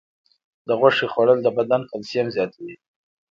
د غوښې خوړل د بدن کلسیم زیاتوي.